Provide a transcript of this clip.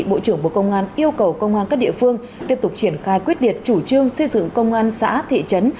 bộ trưởng bộ công an yêu cầu công an các địa phương tiếp tục triển khai quyết liệt chủ trương xây dựng công an xã thị trấn